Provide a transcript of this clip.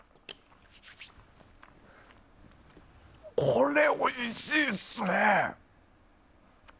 これ、おいしいっすね。